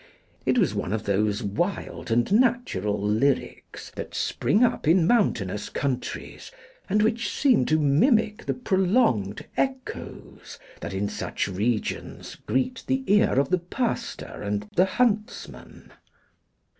It was one of those wild and natural lyrics that spring up in mountainous countries, and which seem to mimic the prolonged echoes that in such regions greet the ear of the pastor and the huntsman.